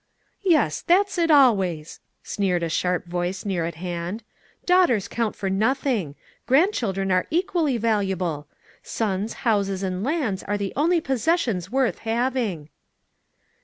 "Yes, that's it always," sneered a sharp voice near at hand; "daughters count for nothing; grandchildren are equally valuable. Sons, houses, and lands are the only possessions worth having."